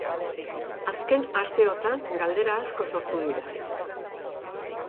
Azken asteotan galdera asko sortu dira.